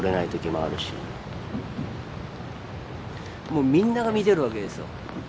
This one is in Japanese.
もうみんなが見てるわけですよ。